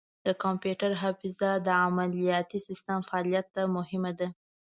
د کمپیوټر حافظه د عملیاتي سیسټم فعالیت ته مهمه ده.